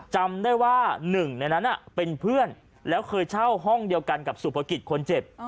จำได้ว่าหนึ่งในนั้นเป็นเพื่อนแล้วเคยเช่าห้องเดียวกันกับสุภกิจคนเจ็บ